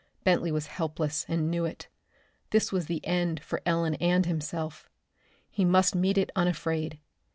Bentley was helpless and knew it. This was the end for Ellen and himself. He must meet it unafraid.